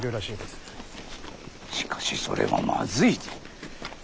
しかしそれはまずいぞ。